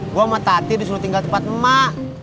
gue sama tati disuruh tinggal tempat emak